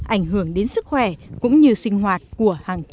ảnh hưởng đến sức khỏe cũng như sinh hoạt của hàng trăm